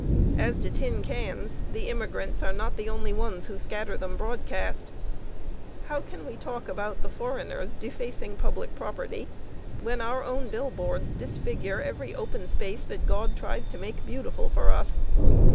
As to tin cans, the immigrants are not the only ones who scatter them broadcast. How can we talk about the foreigners defacing public property, when our own bill boards disfigure every open space that God tries to make beautiful for us?